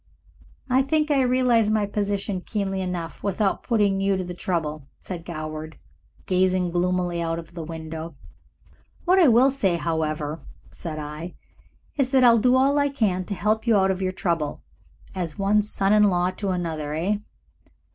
"I think I realize my position keenly enough without putting you to the trouble," said Goward, gazing gloomily out of the window. "What I will say, however," said I, "is that I'll do all I can to help you out of your trouble. As one son in law to another, eh?"